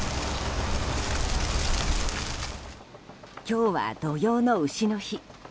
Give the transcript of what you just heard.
今日は土用の丑の日。